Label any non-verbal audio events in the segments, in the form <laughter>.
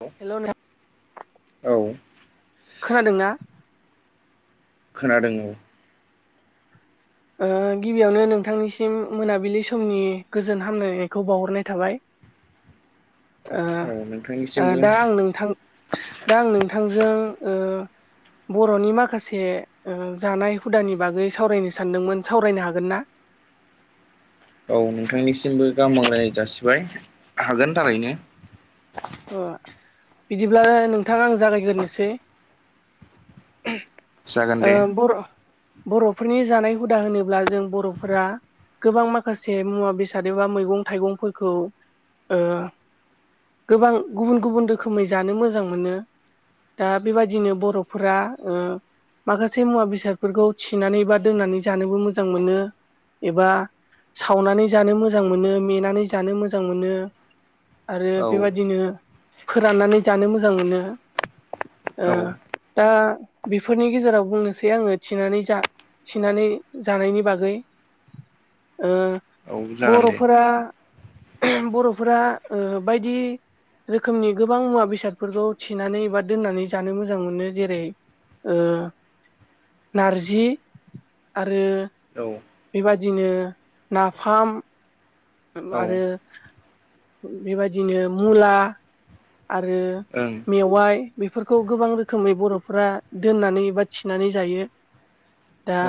औ हेल' नो खोनादों ना खोनादों ओं गिबियावनो नोंथांनिसिम मोनाबिलि समनि गोजोन हामलायनायखौ बावहरनाय थाबाय औ औ नोंथांनिसिमबो दा आं नोंथां दा आं नोंथांजों ओ बर'नि माखासे जानाय हुदानि बागै सावरायनो सानदोंमोन सावरायनो हागोन ना औ नोंथांनिसिमबो गाहाम हालायनाय जासिबाय हागोन थारैनो अ बिदिब्ला नोंथां आं जागायग्रोसै जागोन आ दे बर' बर'फोरनि जानाय हुदा होनोब्ला जों बर'फोरा गोबां माखासे मुवा बेसादबा मैगं थाइगंफोरखौ ओ गोबां गुबुन गुबुन रोखोमै जानो मोजां मोनो दा बेबादिनो बर'फोरा माखासे मुवा बेसादफोरखौ थिनानै बा दोननानै जानोबो मोजां मोनो एबा सावनानै जानो मोजां मोनो मेनानै जानो मोजां मोनो आरो औ बेबादिनो फोराननानै जानो मोजां मोनो औ दा बेफोरनि गेजेराव बुंनोसै आङो थिनानै जा थिनानै जानायनि बागै औ जागोन दे बर'फोरा बर'फोरा ओ बायदि रोखोमनि गोबां मुवा बेसादखौबा थिनानै एबा दोननानै जानो मोजां मोनो जेरै नारजि ओ आरो औ बेबादिनो नाफाम औ ओं आरो बेबायदिनो मुला आरो औ मेवाइ बेफोरखौ गोबां रोखोमै बर'फोरा दोननानै बा थिनानै जायो दा औ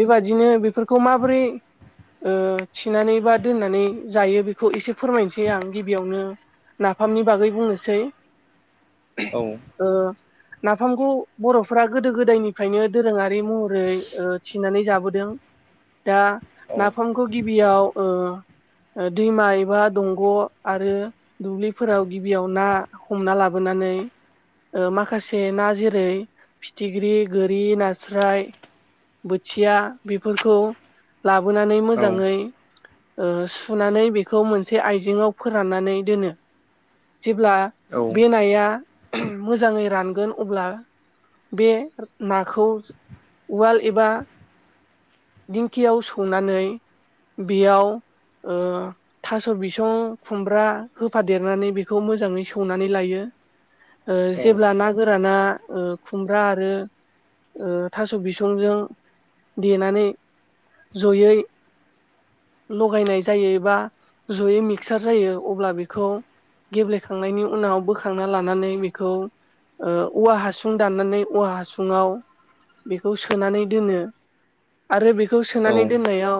बेबादिनो बेफोरखौ माबोरै थिनानै बा दोननानै जायो बेखौ एसे फोरमायनोसै आं गिबियावनो नाफामनि बागै बुंनोसै <inaudible> औ ओ नाफामखौ बर'फोरा गोदो गोदायनिफ्रायनो दोरोङारि महरै थिनानै जाबोदों दा नाफामखौ गिबियाव दैमा एबा दंग' आरो दुब्लिफोराव गिबियाव ना हमना लाबोनानै माखासे ना जेरै फिथिख्रि गोरि नास्राय बोथिया बेफोरखौ लाबोनानै मोजाङै सुनानै बेखौ मोनसे आइजेङाव फोराननानै दोनो जेब्ला औ बे नाया मोजाङै रानगोन अब्ला बे नाखौ उवाल एबा दिंखियाव सौनानै बेयाव थास' बिसं खुमब्रा होफादेरनानै बेखौ मोजाङै सौनानै लायो ओ जेब्ला ना गोराना ओ खुमब्रा आरो थास' बिसंजों देनानै जयै लगायनाय जायोबा जयै मिक्सार जायो अब्ला बेखौ गेब्लेखांनायनि उनाव बोखांना लानानै बेखौ ओ औवा हासुं दाननानै औवा हासुङाव बेखौ सोनानै दोनो। आरो बेखौ सोनानै दोननायाव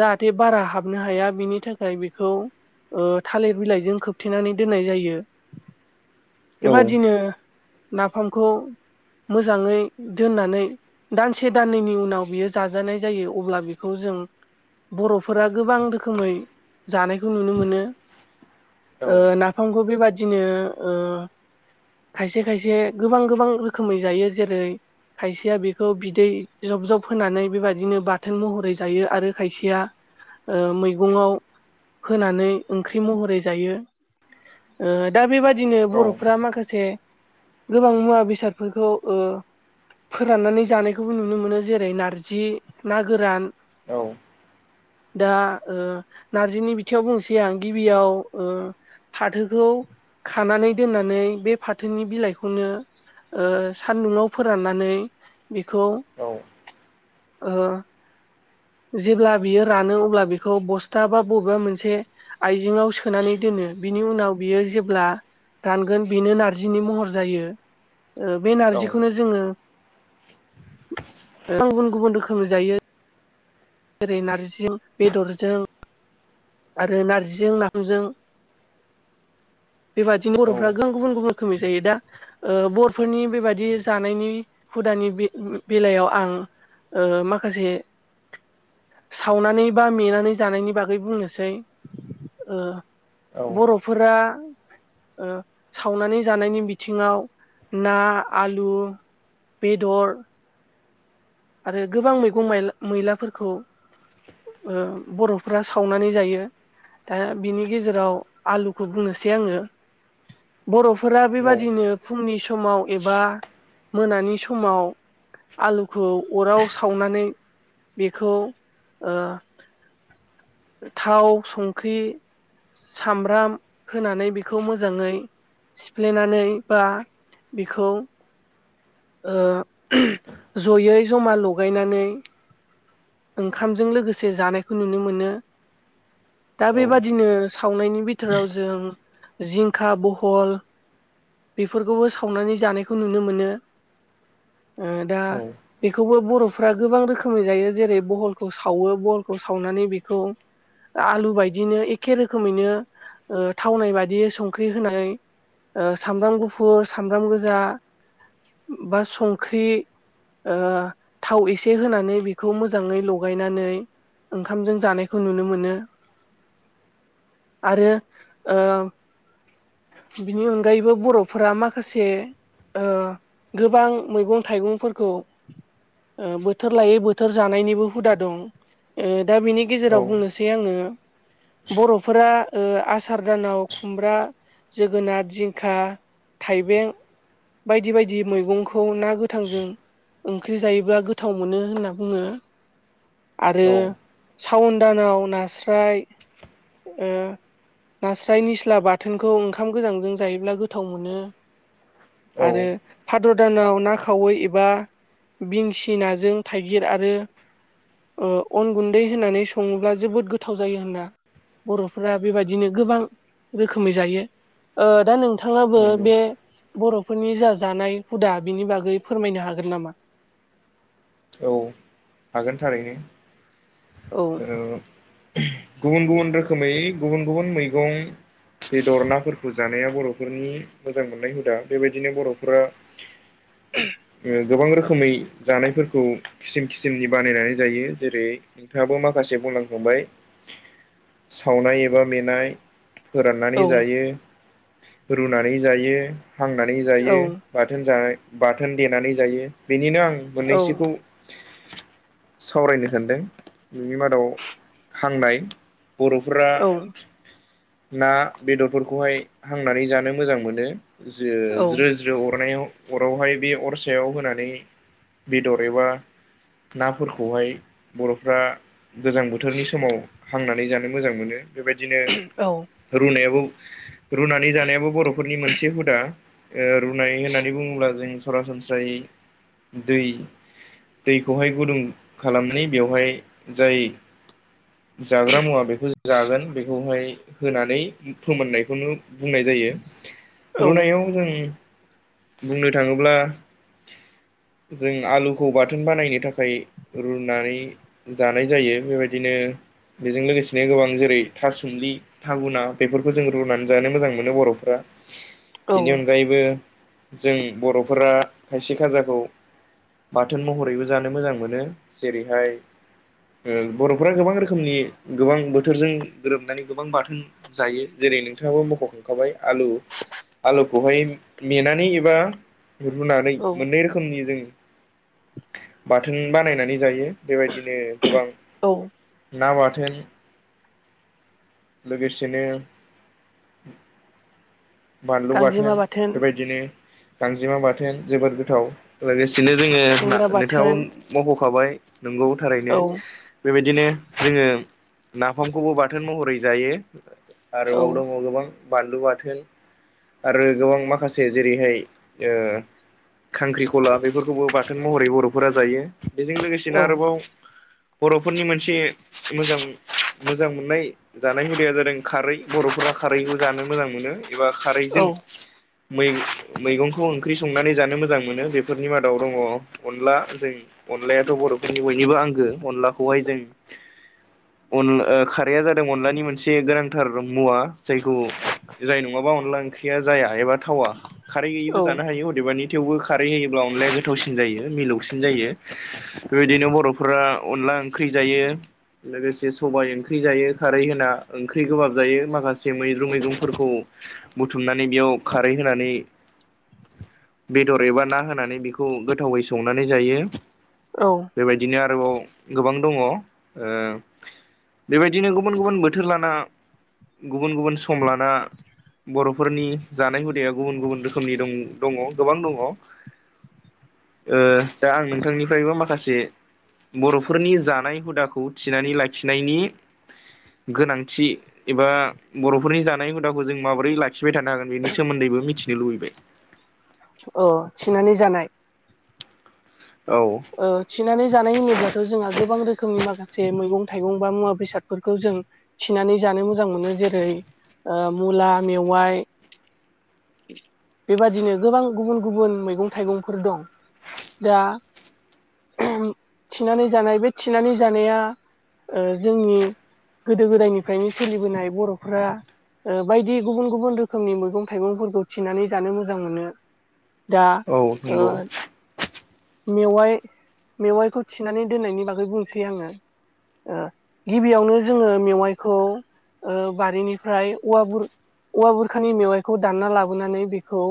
जाहाथे बारा हाबनो हाया बिनि थाखाय बेखौ थालिर बिलाइजों खोबथेनानै दोननाय जायो। बेबादिनो नाफामखौ मोजाङै दोननानै दानसे दाननैनि उनाव बियो जाजानाय जायो अब्ला बेखौ जों बर'फोरा गोबां रोखोमै जानायखौ नुनो मोनो। ओ ना फामखौ बेबादिनो ओ खायसे खायसे गोबां गोबां रोखोमै जायो। जेरै खायसेया बेखौ बिदै जब जब होनानै बेबदिनो बाथोन महरै जायो आरो खायसेया ओ मैगंआव होनानै ओंख्रि महरै जायो। ओ दा बेबादिनो बर'फोरा माखासे गोबां मुवा बेसादफोरखौ ओ फोराननानै जानायखौबो नुनो मोनो। जेरै नारजि, ना गोरान औ। दा नारजिनि बिथिङाव बुंसै आं गिबियाव फाथोखौ खानानै दोननानै बे फाथोनि बिलाइखौनो सान्दुङाव फोराननानै बेखौ ओ जेब्ला बियो रानो अब्ला बेखौ बस्था बा बबेबा मोनसे आइजेंआव सोनानै दोनो। बिनि उनाव बियो जेब्ला रानगोन बेनो नारजिनि महर जायो। बे नारजिखौनो जोङो, गोबां गुबुन गुबुन रोखोमै जायो। जेरै नारजिजों बेदरजों। आरो नारजिजों नाफामजों बेबायादिनो बर'फ्रा गोबां गुबुन गुबुन रोखोमै जायो। दा ओ बर'फोरनि बेबायादि जानायनि हुदानि बेलायाव आं ओ माखासे सावनानै बा मेनानै जानायनि बागै बुंनो सा सै ओ बर'फोरा सावनानै जानायनि बिथिङाव ना, आलु बेदर आरो गोबां मैगं मैलाफोरखौ बर'फ्रा सावनानै जायो। दा बिनि गेजेराव आलुखौ बुंनोसै आङो‌। बर'फोरा बेबादिनो फुंनि समाव एबा मोनानि समाव आलु खौ अराव सावनानै बेखौ ओ थाव, संख्रि सामब्राम होनानै बेखौ मोजाङै सिफ्लेनानै बा बेखौ ओ जयै जमा लगायनानै ओंखामजों लोगोसे जानायखौ नुनो मोनो। दा बेबादिनो सावनायनि बिथोराव जों जिंख, बहल बेफोरखौबो सावनानै जानायखौ नुनो मोनो। दा औ बेखौबो बर'फ्रा गोबां रोखोमै जायो। जेरै बहलखौ सावो बहलखौ सावनानै बेखौ आलु बायदिनो एखे रोखोमैनो थावनाय बायदि संख्रि होनानै सामब्राम गुफुर, सामब्राम गोजा, बा संख्रि थाव एसे होनानै बेखौ मोजाङै लगायनानै ओंखामजों जानायखौ नुनो मोनो। आरो ओ बिनि अनगायैबो बर'फोरा माखासे गोबां मैगं थाइगंफोरखौ ओ बोथोर लायै बोथोर जानायनिबो हुदा दं ओ दा बिनि गेजेराव बुंनोसै आङो बर'फोरा आसार दानाव खुमब्रा जोगोनार जिंखा थाइबें बायदि बायदि मैगंखौ ना गोथांजों ओंख्रि जायोबा गोथाव मोनो होनना बुङो आरो साउन दानाव नास्राय ओ नास्राय निस्ला बाथोनखौ ओंखाम गोजांजों जायोब्ला गोथाव मोनो आरो औ भाद्र दानाव ना खावै एबा बिंसि नाजों थाइगिर आरो अन गुन्दै होननानै सङोब्ला जोबोद गोथाव जायो होनना बर'फोरा बेबायदिनो गोबां रोखोमै जायो दा नोंथां बिथाङाबो नंगौ बे बर'फोरनि जा जानाय हुदा बिनि बागै फोरमायनो हागोन नामा औ हागोन थारैनो औ गुबुन गुबुन रोखोमै गुबुन गुबुन मैगं बे दरनाफोरखौ जानाया बर'फोरनि मोजां मोननाय हुदा बेबायदिनो बर'फोरा <unintelligible> ओ गोबां रोखोमै जानायफोर खौ खिसिम खिसिननि बानायनानै जायो जेरै नोंथाङाबो माखासे बुंलांखांबाय सावनाय एबा मेनाय फोराननानै औ जायो रुनानै जायो हांनानै औ जायो बाथोन जानाय बाथोन देनानै जायो बेनिनो आं औ मोननैसोखौ सावरायनो सानदों बिनि मादाव हांनाय बर'फोरा औ ना बेदरफोरखौहाय हांनानै जानो मोजां मोनो औ ज्रो गिरो अरनायाव अरावहाय बे अर सायाव होनानै बेदर एबा नाफोरखौहाय बर'फ्रा गोजां बोथोरनि समाव हांनानै जानो मोजां मोनो बेबायदिनो रुनायाबो रुनानै जानायाबो बर'फोरनि मोनसे हुदा रुनाय होननानै बुङोब्ला जों सरासनस्रायै दै दैखौहाय गुदुं खालामनानै बेवहाय जाय जाग्रा मुवा बेखौ जागोन बेखौहाय होनानै फोमोननायखौनो बुंनाय जायो औ रुनायाव जों बुंनो थाङोब्ला जों आलु खौ बाथोन बानायनो थाखाय रुनानै जानाय जायो बेबायदिनो बेजों लोगोसेनो गोबां जेरै थासुमलि थागुना बेफोरखौ जों रुनानै जानो मोजां मोनो बर'फोरा बेनि औ अनगायैबो जों बर'फोरा खायसे खाजाखौ बाथोन महरैबो जानो मोजां मोनो जेरैहाय बर'फोरा गोबां रोखोमनि गोबां बोथोरजों गोरोबनानै गोबां बाथोन जायो जेरै नोंथाङाबो मख'खांखाबाय आलु आलुखौहाय मेनानै एबाुनानै मोननै रोखोमनि जों बाथोन बानायनानै जायो बेबायदिनो गोबां औ ना बाथोन लोगोसेनो बानलु बाथोन बेबायदिनो गांजेमा बाथोन जोबोद गोथाव लोगोसेनो जोङो खुसेंग्रा नोंथाङाबो बाथोन मावख'खाबाय नंगौ थारैनो औ बेबायदिनो जोङो नाफामखौबो बाथोन महरै जायो औ आरोबाव दङ गोबां बानलु बाथोन आरो गोबां माखासे जेरैहाय ओ खांख्रिखला बेफोरखौबो बाथोन महरै बर'फोरा जायो बेजों लोगोसेनो औ आरोबाव बर'फोरनि मोनसे मोजां मोजां मोननाय जानाय हुदाया जादों खारै बर'फोरा खारैखौ जानो मोजां मोनो एबा औ खारैजों मै मैगंखौ ओंख्रि संनानै जानो मोजां मोनो। बेफोरनि मादाव दङ अनला जों अनलायाथ' बर'फोरनि बयनिबो आंगो। अनलाखौहाय जों अन ओ खारैया जादों अनलानि मोनसे गोनांथार मुवा। जायखौ जायनो नङाबा अनला ओंख्रिया जाया एबा थावा। खारैबो औ जानो हायो अदेबानि थेवबो खारै होयोब्ला अनलाया गोथावसिन जायो मिलौसिन जायो। बेबायदिनो बर'फोरा अनला ओंख्रि जायो लोगोसे सबाय ओंख्रि जायो खारै होना ओंख्रि गोबाब जायो माखासे मैद्रु मैगंफोरखौ बुथुमनानै बेयाव खारै होनानै बेदर एबा ना होनानै बेखौ गोथावै संनानै जायो। औ। बेबायदिनो आरोबाव गोबां दङ। ओ बेबायदिनो गुबुन गुबुन बोथोर लाना गुबुन गुबुन सम लाना बर'फोरनि जानाय हुदाया गुबुन गुबुन रोखोमनि दं दङ गोबां दङ। ओ दा आं नोंथांनिफ्रायबो माखासे बर'फोरनि जानाय हुदाखौ थिनानै लाखिनायनि गोनांथि एबा बर'फोरनि जानाय हुदा खौ जों माबोरै लाखिबाय थानो हागोन बेनि सोमोन्दैबो मिथिनो लुबैबाय। अ थिनानै जानाय। औ। ओ थिनानै जानाय होनोब्लाथ' जोंहा गोबां रोखोमनि माखासे मैगं थाइगं बा मुवा बेसादफोरखौ जों थिनानै जानो मोजां मोनो। जेरै ओ मुला, मेवाइ बेबादिनो गोबां गुबुन गुबुन मैगं थाइगंफोर दं। दा थिनानै जानाय बे थिनानै जानाया ओ जोंनि गोदो गोदायनिफ्रायनो सोलिबोनाय बर'फोरा ओ बायदि गुबुन गुबुन रोखोमनि मैगं थाइगंफोर खौ थिनानै जानो मोजां मोनो। दा औ ओ नंगौ मेवाइ मेवाइखौ थिनानै दोननायनि बागै बुंसै आङो। ओ गिबियावनो जोङो मेवाइखौ ओ बारिनिफ्राय औव औवा बुर-बुरखानि मेवाइखौ दानना लाबो नानै बेखौ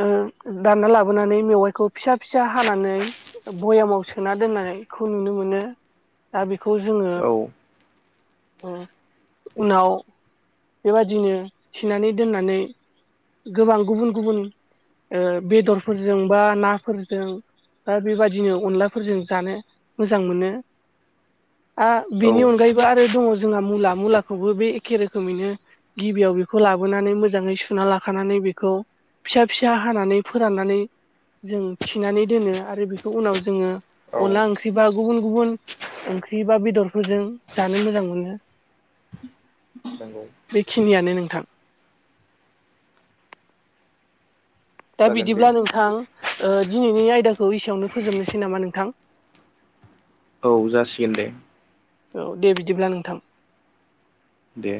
ओ दानना लाबोनानै मेवाइखौ फिसा फिसा हानानै बयामाव सोना दोननायखौ नुनो मोनो। दा बेखौ जोङो औ उ उनाव बेबादिनो थिनानै दोननानै गोबां गुबुन गुबुन ओ बेदरफोरजों बा नाफोरजों दा बेबादिनो अनलाफोरजों जानो मोजां मोनो। आ औ बेनि अनगायैबो आरो दङ जोंहा मुला, मुलाखौबो बे एखे रोखोमैनो गिबियाव बेखौ लाबोनानै मोजाङै सुना लाखानानै बेखौ फिसा फिसा हानानै फोराननानै जों थिनानै दोनो आरो बेखौ उनाव जोङो औ अनला ओंख्रिबा गुबुन गुबुन ओंख्रि बा बेदरफोरजों जानो मोजां मोनो। नोंगौ। बेखिनियानो नोंथां। दा जागोन दे बिदिब्ला नोंथां ओ दिनैनि आयदाखौ एसेयावनो फोजोबनोसै नामा नोंथां? औ जासिगोन दे। औ दे बिदिब्ला नोंथां। दे।